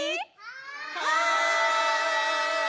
はい！